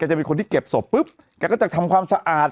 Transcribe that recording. จะเป็นคนที่เก็บศพปุ๊บแกก็จะทำความสะอาด